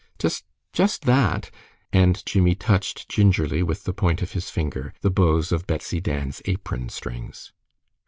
"Just just that!" and Jimmie touched gingerly with the point of his finger the bows of Betsy Dan's apron strings.